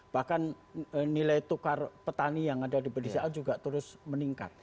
bahkan nilai tukar petani yang ada di pedesaan juga terus meningkat